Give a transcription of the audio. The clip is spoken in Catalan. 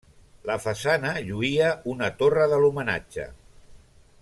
La façana lluïa una torre de l'homenatge.